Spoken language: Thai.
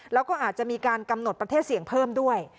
แล้วก็อาจจะมีการกำหนดประเทศเสี่ยงเพิ่มด้วย